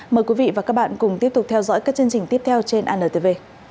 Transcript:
mời quý vị và các bạn cùng tiếp tục theo dõi các chương trình tiếp theo trên antv